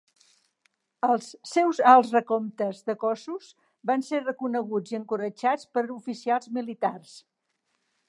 Els seus alts recomptes de cossos van ser reconeguts i encoratjats per oficials militars.